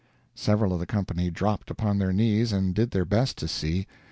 Several of the company dropped upon their knees and did their best to see.